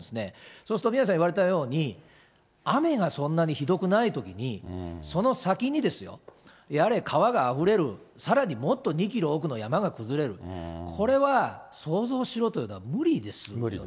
そうすると、宮根さん言われたように、雨がそんなにひどくないときに、その先にですよ、やれ川があふれる、さらにもっと２キロ奥の山が崩れる、これは想像しろというのは無理ですよね。